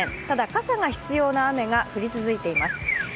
ただ傘が必要な雨が降り続いています。